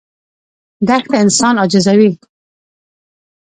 دښته انسان عاجزوي.